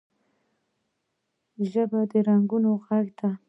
ژبه د رنګونو غږ ده